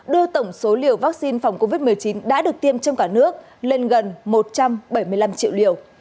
đưa tổng số liều vaccine phòng covid một mươi chín đã được tiêm trong cả nước lên gần một trăm bảy mươi năm triệu liều